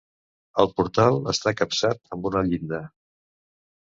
El portal està capçat amb una llinda.